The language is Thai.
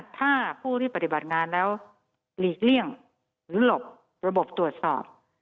ถ้าผู้ที่ปฏิบัติงานแล้วหลีกเลี่ยงหรือหลบระบบตรวจสอบ